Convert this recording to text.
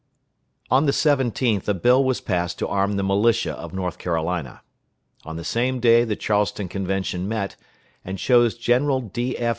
On the 17th a bill was passed to arm the militia of North Carolina. On the same day the Charleston Convention met, and chose General D.F.